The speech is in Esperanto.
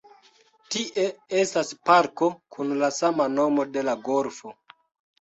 Tie estas parko kun la sama nomo de la golfo.